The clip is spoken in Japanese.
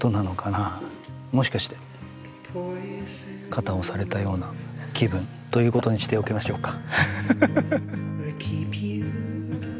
肩を押されたような気分ということにしておきましょうか。